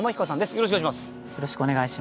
よろしくお願いします。